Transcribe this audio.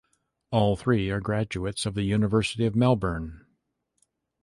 All three are graduates of the University of Melbourne.